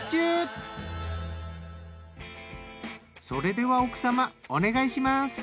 それでは奥様お願いします。